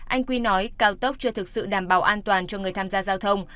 anh quy nói cao tốc chưa thực sự đảm bảo an toàn cho người tham gia giao thông